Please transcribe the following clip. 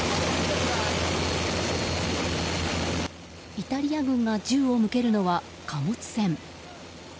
イタリア軍が銃を向けるのは貨物船。